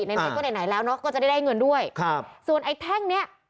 ไหนไหนก็ไหนไหนแล้วเนาะก็จะได้เงินด้วยครับส่วนไอ้แท่งเนี้ย